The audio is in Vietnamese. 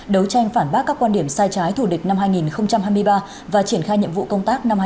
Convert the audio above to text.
đấu tranh phản bác các quan điểm sai trái thủ địch năm hai nghìn hai mươi ba và triển khai nhiệm vụ công tác năm hai nghìn hai mươi bốn